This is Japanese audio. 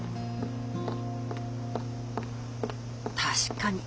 確かに。